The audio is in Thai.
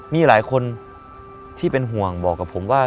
มีหลายคนที่เป็นห่วงบอกกับผมว่า